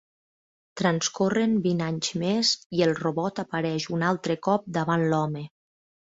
Transcorren vint anys més, i el robot apareix un altre cop davant l'home.